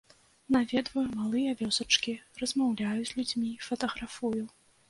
Наведваю малыя вёсачкі, размаўляю з людзьмі, фатаграфую.